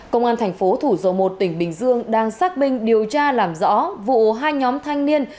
công an thành phố thủ dầu một tỉnh bình dương đang xác minh điều tra làm rõ vụ hai nhóm thanh niên